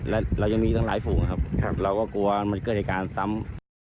และเรายังมีตั้งหลายฝูงนะครับเราก็กลัวมันเกิดเหตุการณ์ซ้ำ